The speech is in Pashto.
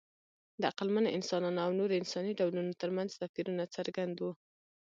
د عقلمن انسانانو او نورو انساني ډولونو ترمنځ توپیرونه څرګند وو.